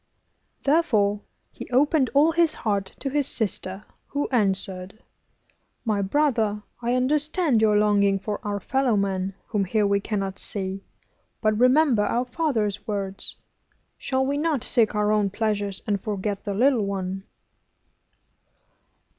Therefore he opened all his heart to his sister, who answered: 'My brother, I understand your longing for our fellow men, whom here we cannot see. But remember our father's words. Shall we not seek our own pleasures, and forget the little one?